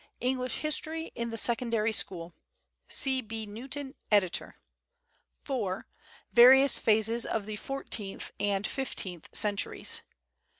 English History in the Secondary School C. B. NEWTON, Editor. IV. VARIOUS PHASES OF THE FOURTEENTH AND FIFTEENTH CENTURIES.